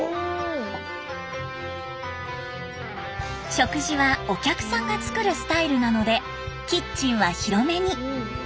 食事はお客さんが作るスタイルなのでキッチンは広めに。